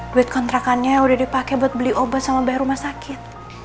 duit kontrakannya udah dipakai buat beli obat sama bayar rumah sakit